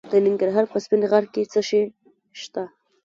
د ننګرهار په سپین غر کې څه شی شته؟